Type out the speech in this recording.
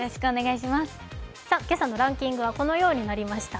今朝のランキングはこのようになりました。